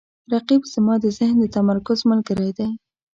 رقیب زما د ذهن د تمرکز ملګری دی